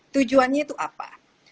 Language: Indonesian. tujuannya itu apa